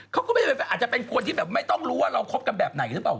ก็อาจจะเป็นคนที่ไม่ต้องรู้นี่ว่าเราคบกันแบบไหนหรือเปล่า